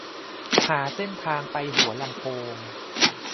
หาเส้นทางไปหัวลำโพง